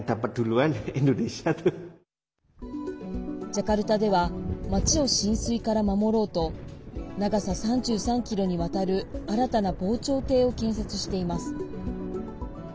ジャカルタでは町を浸水から守ろうと長さ３３ｋｍにわたる新たな防潮堤を建設しています。